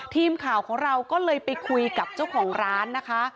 ทีมข่าวของเราก็เลยไปคุยกับเจ้าของร้านนะคะ